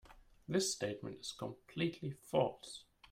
This statement is completely false.